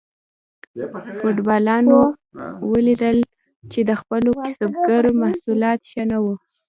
فیوډالانو ولیدل چې د خپلو کسبګرو محصولات ښه نه وو.